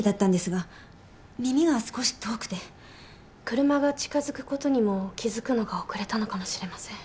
車が近づくことにも気付くのが遅れたのかもしれません。